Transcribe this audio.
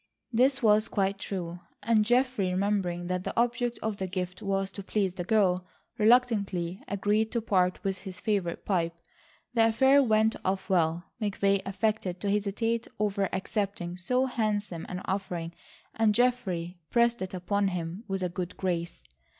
This was quite true, and Geoffrey, remembering that the object of the gift was to please the girl, reluctantly agreed to part with his favourite pipe. The affair went off well. McVay affected to hesitate over accepting so handsome an offering, and Geoffrey pressed it upon him with a good grace.